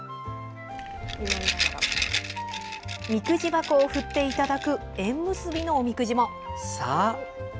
くじ箱を振っていただく縁結びのおみくじも。